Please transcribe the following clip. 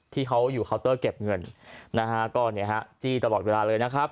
ที่เขาอยู่เคาน์เตอร์เก็บเงินนะฮะก็เนี่ยฮะจี้ตลอดเวลาเลยนะครับ